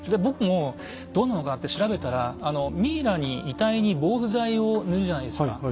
僕もどうなのかなって調べたらミイラに遺体に防腐剤を塗るじゃないですか。